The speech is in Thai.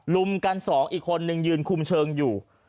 ลุมกัน๒อีกคนนึงยืนคุมเชิงอยู่